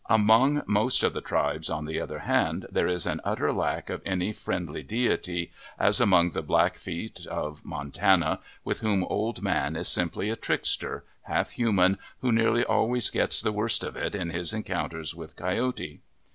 Among most of the tribes, on the other hand, there is an utter lack of any friendly deity, as among the Blackfeet, of Montana, with whom Old Man is simply a trickster, half human, who nearly always gets the worst of it in his encounters with Coyote.